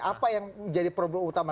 apa yang menjadi problem utama